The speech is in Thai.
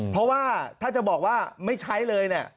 เพราะว่าถ้าจะบอกว่าไม่ใช้เลยเนี่ย